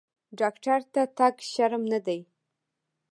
ډاکټر ته تګ شرم نه دی۔